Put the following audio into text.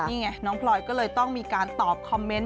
นี่ไงน้องพลอยก็เลยต้องมีการตอบคอมเมนต์